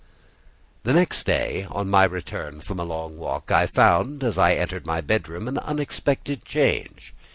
The next day, on my return from a long walk, I found, as I entered my bedroom, an unexpected change.